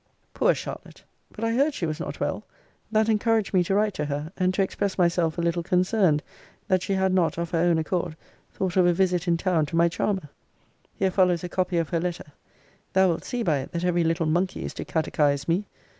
Poor Charlotte! But I heard she was not well: that encouraged me to write to her; and to express myself a little concerned, that she had not, of her own accord, thought of a visit in town to my charmer. Here follows a copy of her letter. Thou wilt see by it that every little monkey is to catechise me.